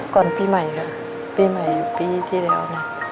ก่อนปีใหม่ครับปีใหม่ปีที่เดียวนะ